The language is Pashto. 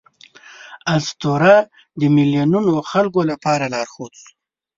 اسطوره د میلیونونو خلکو لپاره لارښود شو.